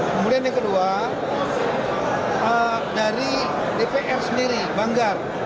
kemudian yang kedua dari dpr sendiri banggar